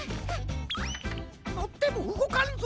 のってもうごかんぞ。